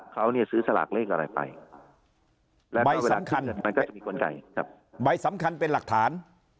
เขาเนี่ยซื้อสลากเลขอะไรไปใบสำคัญเป็นหลักฐาน